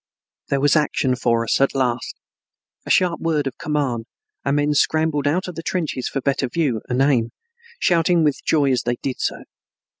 There was action for us at last. At a sharp word of command, our men scrambled out of the trenches for better view and aim, shouting with joy as they did so.